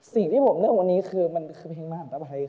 คือที่ผมเคยเล่นวันนี้คือ่ะมันคือคือเพลงมหันธทภัย